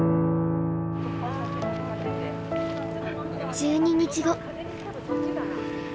１２日後。